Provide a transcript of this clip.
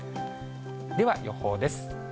では予報です。